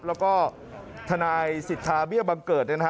แล้วก็ทนายสิทธาเบี้ยบังเกิด